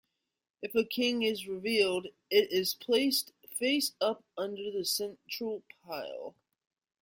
If a King is revealed, it is placed face up under the central pile.